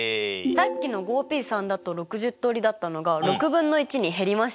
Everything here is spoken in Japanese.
さっきのＰだと６０通りだったのが６分の１に減りましたね。